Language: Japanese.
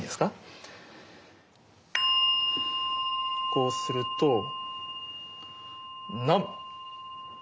こうすると南無！